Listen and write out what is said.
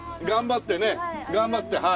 頑張ってね。頑張って。